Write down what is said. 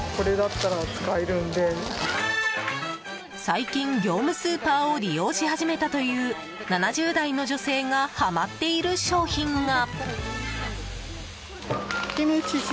最近、業務スーパーを利用し始めたという７０代の女性がはまっている商品が。